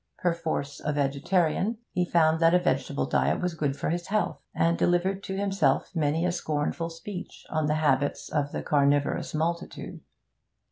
Perforce a vegetarian, he found that a vegetable diet was good for his health, and delivered to himself many a scornful speech on the habits of the carnivorous multitude.